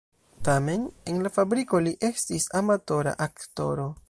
Tamen en la fabriko li estis amatora aktoro.